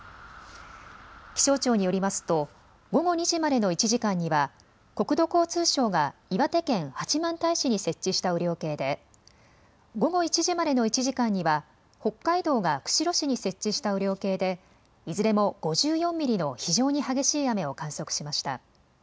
気象庁によりますと午後２時までの１時間には国土交通省が岩手県八幡平市に設置した雨量計で午後１時までの１時間には北海道が釧路市に設置した雨量計でいずれも５４ミリの非常に激しい雨を観測しました。